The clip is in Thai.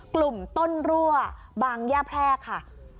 กลุ่มต้นรั่วบางย่าแพรกค่ะ